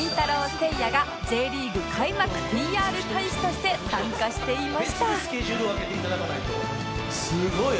せいやが Ｊ リーグ開幕 ＰＲ 大使として参加していました